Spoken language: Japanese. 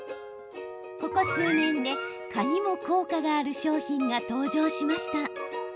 ここ数年で蚊にも効果がある商品が登場しました。